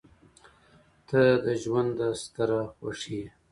• ته د ژونده ستره خوښي یې.